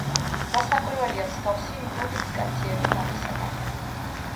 რასაკვირველია, მსგავსი მოდიფიკაციები დავის საგანია.